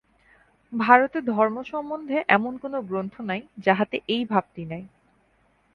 ভারতে ধর্ম সম্বন্ধে এমন কোন গ্রন্থ নাই, যাহাতে এই ভাবটি নাই।